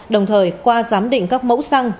đồng thời qua giám định các mẫu xăng